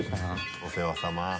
お世話さま。